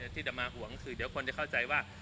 ที่จะมาห่วงคือเดี๋ยวคนจะเข้าใจว่า